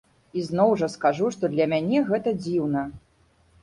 І зноў жа скажу, што для мяне гэта дзіўна.